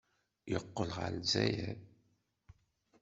Yeqqel ɣer Lezzayer.